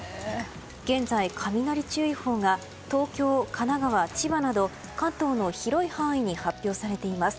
現在、雷注意報が東京、神奈川、千葉など関東の広い範囲に発表されています。